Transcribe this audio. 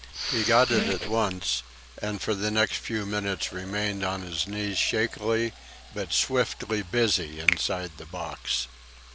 He got it at once and for the next few minutes remained on his knees shakily but swiftly busy inside the box.